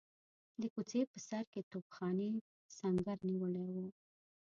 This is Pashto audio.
د کوڅې په سر کې توپخانې سنګر نیولی وو.